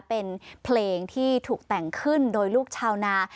เป็นเพลงที่ถูกแต่งขึ้นโดยลูกชาวนา